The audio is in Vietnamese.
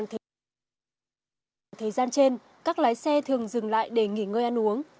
thời gian trên các lái xe thường dừng lại để nghỉ ngơi ăn uống